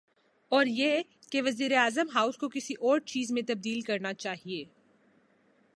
اوریہ کہ وزیراعظم ہاؤس کو کسی اورچیز میں تبدیل کرنا چاہیے۔